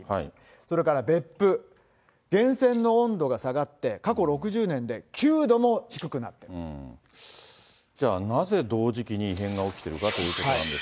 それから別府、源泉の温度が下がって、過去６０じゃあ、なぜ同時期に異変が起きているかということなんですが。